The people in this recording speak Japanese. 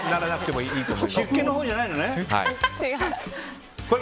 出家のほうじゃないのね。